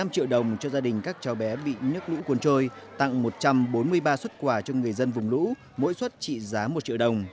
năm triệu đồng cho gia đình các cháu bé bị nước lũ cuốn trôi tặng một trăm bốn mươi ba xuất quà cho người dân vùng lũ mỗi xuất trị giá một triệu đồng